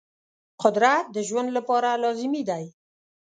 قدرت د ژوند لپاره لازمي دی.